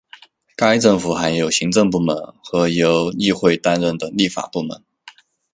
该政府含有行政部门和由议会担任的立法部门。